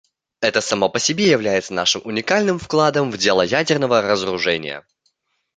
Это само по себе является нашим уникальным вкладом в дело ядерного разоружения.